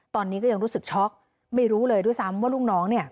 ตอนนี้ก็ยังรู้สึกช็อกไม่รู้เลยด้วยซ้ำว่าลูกน้องเนี่ย